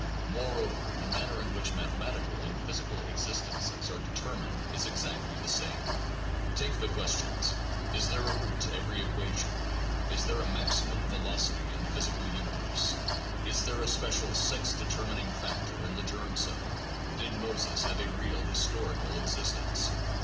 Moreover, the manner in which mathematical and physical existences are determined is ex actly the same. Take the questions: Is there a root to every equa tion? Is there a maximum velocity in the physical universe? Is there a special sex determining factor in the germ cell? Did Moses have a real (historical) existence?